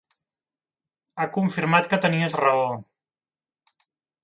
Ha confirmat que tenies raó.